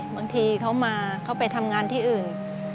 บางทีเขามาเขาไปทำงานที่อื่น